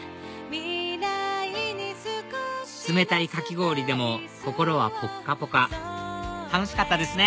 冷たいかき氷でも心はぽっかぽか楽しかったですね！